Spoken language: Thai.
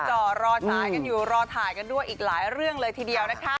จ่อรอสายกันอยู่รอถ่ายกันด้วยอีกหลายเรื่องเลยทีเดียวนะคะ